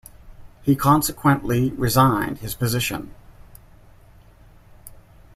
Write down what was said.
He consequently resigned his position.